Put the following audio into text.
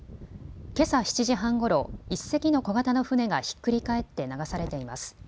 けさ７時半ごろ１隻の小型の船がひっくり返って流されています。